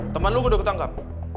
teman lo udah ketangkap